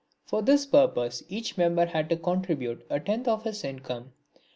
For this purpose each member had to contribute a tenth of his income.